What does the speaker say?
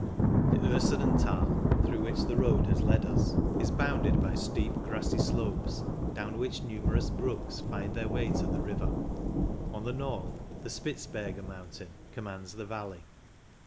The Urseren Thai, through which the road has led us, is bounded by steep grassy slopes, down which numerous brooks find their way to the river. On the north the Spitzberge mountain commands the valley.